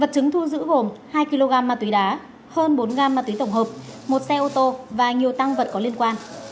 vật chứng thu giữ gồm hai kg ma túy đá hơn bốn gam ma túy tổng hợp một xe ô tô và nhiều tăng vật có liên quan